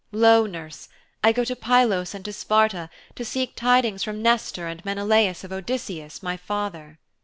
Lo, nurse, I go to Pylos and to Sparta to seek tidings from Nestor and Menelaus of Odysseus, my father.'